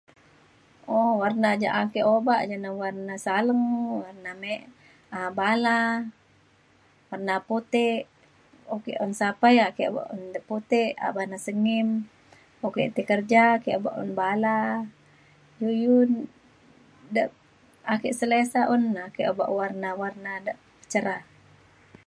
um warna ja ake obak ja na warna saleng warna me- um bala warna putek. uk ke un sapai ake un de putek awan de sengim uk ke ti kerja ake obak un bala iu iu de ake selesa un na ake obak warna warna de cerah.